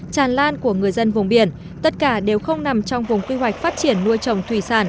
tràn lan của người dân vùng biển tất cả đều không nằm trong vùng quy hoạch phát triển nuôi trồng thủy sản